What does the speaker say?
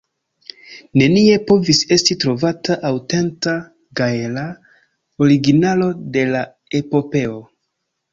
Nenie povis esti trovata aŭtenta gaela originalo de la epopeo.